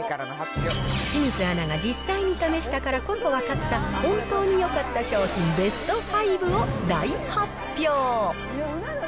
清水アナが実際に試したからこそ分かった、本当によかった商品ベスト５を大発表。